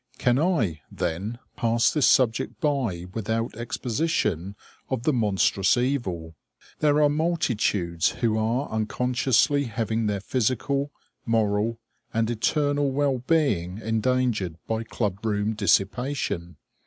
Can I, then, pass this subject by without exposition of the monstrous evil? There are multitudes who are unconsciously having their physical, moral, and eternal well being endangered by club room dissipation.